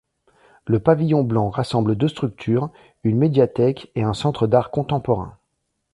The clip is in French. Le Pavillon Blanc rassemble deux structures, une médiathèque et un Centre d'art contemporain.